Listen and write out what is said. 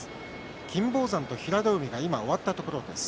金峰山と平戸海が今、終わったところです。